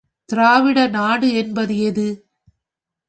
திராவிட நாடு என்பது எது?